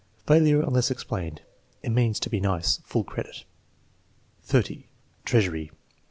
(Failure unless explained.) "It means to be nice." (Full credit.) 30. Treasury.